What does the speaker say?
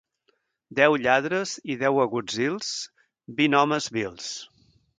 Deu lladres i deu agutzils, vint homes vils.